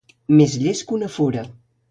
Més llest que una fura.